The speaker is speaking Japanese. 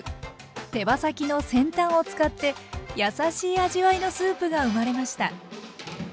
手羽先の先端を使って優しい味わいのスープが生まれました。